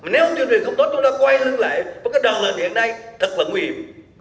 nếu chương trình không tốt chúng ta quay lưng lại với cái đòn lợn hiện nay thật là nguy hiểm